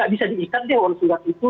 bisa diikat dia orang surat itu